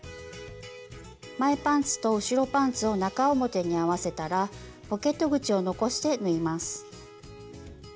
前パンツと後ろパンツを中表に合わせたらポケット口を残して縫います。